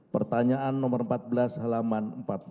pertanyaan nomor empat belas halaman empat belas